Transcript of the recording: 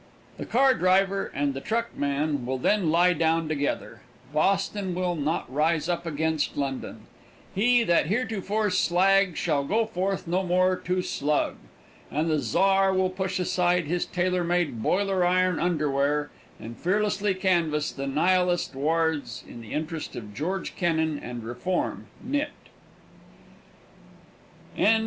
The car driver and the truck man will then lie down together, Boston will not rise up against London, he that heretofore slag shall go forth no more for to slug, and the czar will put aside his tailor made boiler iron underwear and fearlessly canvass the nihilist wards in the interest of George Kennan and reform, nit. THE END.